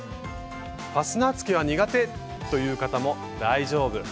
ファスナーつけは苦手！という方も大丈夫！